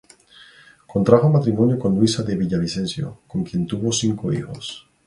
Contrajo matrimonio con Luisa de Villavicencio, con quien tuvo cinco hijos.